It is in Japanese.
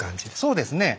そうですね。